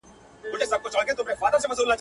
موږ به کله برابر سو له سیالانو.